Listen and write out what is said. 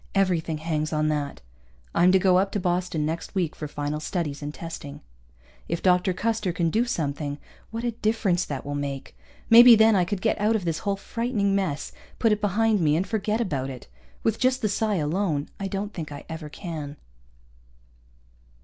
Everything hangs on that. I'm to go up to Boston next week, for final studies and testing. If Dr. Custer can do something, what a difference that will make! Maybe then I could get out of this whole frightening mess, put it behind me and forget about it. With just the psi alone, I don't think I ever can.